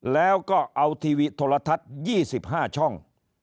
แล้วก็เอาทีวีโทรทัศน์๒๕ช่อง